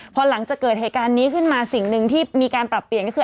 พอหลังจากเกิดเหตุการณ์นี้ขึ้นมาสิ่งหนึ่งที่มีการปรับเปลี่ยนก็คือ